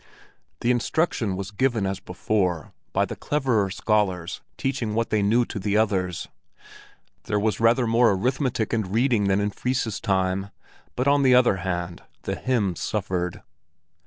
The instruction was given as before, by the cleverer scholars teaching what they knew to the others; there was rather more arithmetic and reading than in Fris's time, but on the other hand the hymns suffered.